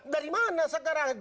dari mana sekarang